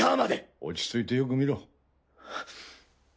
落ち着いてよく見ろ。